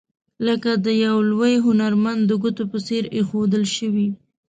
لکه د یو لوی هنرمند د ګوتو په څیر ایښودل شوي.